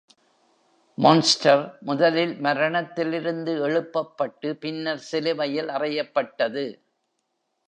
Monster முதலில் மரணத்திலிருந்து எழுப்பப்பட்டு, பின்னர் சிலுவையில் அறையப்பட்டது